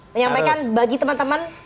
menyampaikan bagi teman teman